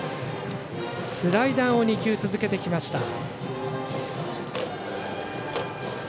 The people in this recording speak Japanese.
スライダーを２球続けました。